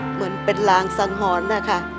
เหมือนเป็นรางสังหรณ์นะคะ